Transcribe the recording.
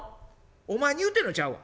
「お前に言うてんのちゃうわ。